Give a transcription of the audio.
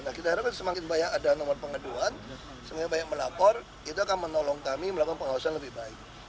nah kita harapkan semakin banyak ada nomor pengaduan semakin banyak melapor itu akan menolong kami melakukan pengawasan lebih baik